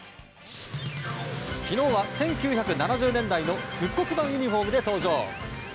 昨日は１９７０年代の復刻版ユニホームで登場。